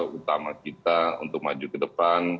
utama kita untuk maju ke depan